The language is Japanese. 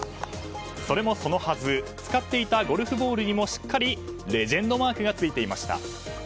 それもそのはず使っていたゴルフボールにもしっかり、レジェンドマークがついていました。